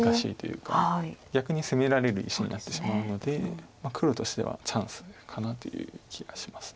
逆に攻められる石になってしまうので黒としてはチャンスかなという気がします。